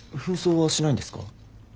扮装はしないんですか？